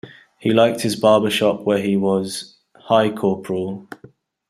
He liked his barber shop where he was "Hi, corporal!"